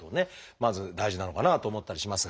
まず大事なのかなと思ったりしますが。